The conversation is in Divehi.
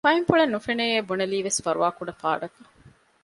ފައިންޕުޅެއް ނުފެނެއޭ ބުނެލީވެސް ފަރުވާކުޑަ ފާޑަކަށް